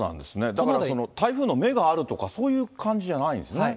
だから台風の目があるとか、そういう感じじゃないんですね。